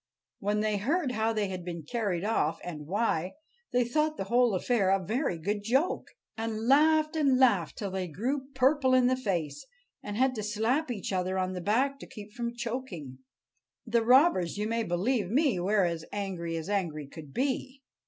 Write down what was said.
When they heard how they had been carried off, and why, they thought the whole affair a very good joke, and laughed and laughed till they grew purple in the face, and had to slap each other on the back to keep from choking. The robbers, you may believe me, were as angry as angry could be.